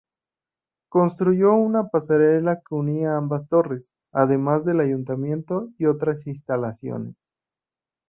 Construyó una pasarela que unía ambas torres, además del ayuntamiento y otras instalaciones.